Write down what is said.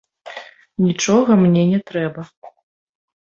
Нічога мне не трэба.